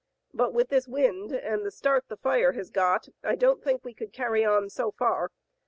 But with this wind and the start the fire has got I don*t think we could carry on so far.